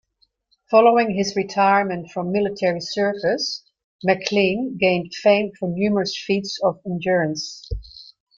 Following his retirement from military service, McClean gained fame for numerous feats of endurance.